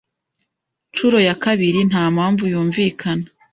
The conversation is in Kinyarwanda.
nshuro ya kabiri nta mpamvu yumvikana